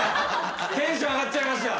テンション上がっちゃいました。